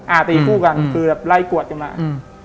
อ่าตีคู่กันคือแบบไล่กวดอยู่มาก